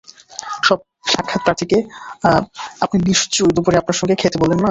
সব সাক্ষাৎপ্রাথীকে আপনি নিশ্চয়ই দুপুরে আপনার সঙ্গে খেতে বলেন না?